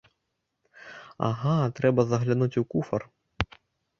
Ага, трэба заглянуць у куфар.